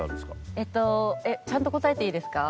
えっとちゃんと答えていいですか？